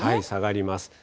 下がります。